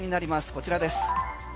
こちらです。